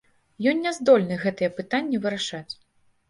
Ён не здольны гэтыя пытанні вырашаць.